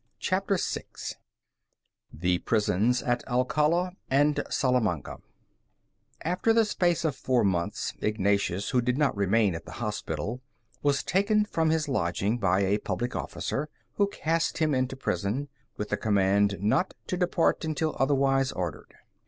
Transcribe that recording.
CHAPTER VI THE PRISONS AT ALCALA AND SALAMANCA After the space of four months, Ignatius, who did not remain at the hospital, was taken from his lodging by a public officer, who cast him into prison, with the command not to depart until otherwise ordered.